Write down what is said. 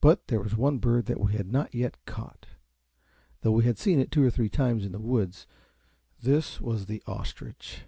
But there was one bird that we had not yet caught, though we had seen it two or three times in the woods. This was the OS TRICH.